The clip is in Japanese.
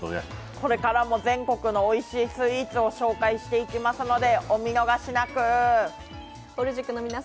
これからも全国のおいしいスイーツをご紹介していきますので、お見逃しなく。